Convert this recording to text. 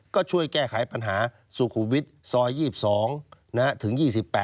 ก็ช่วยแก้ไขปัญหาสุขุมวิทย์ซอย๒๒ถึง๒๘